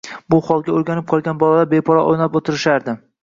Bu holga o`rganib qolgan bolalar beparvo o`ynab o`tirishardi